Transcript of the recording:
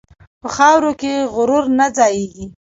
په خاورو کې غرور نه ځایېږي.